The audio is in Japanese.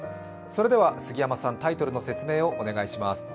それでは杉山さん、タイトルの説明をお願いします。